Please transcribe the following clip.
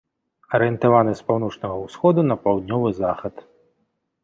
Арыентаваны з паўночнага ўсходу на паўднёвы захад.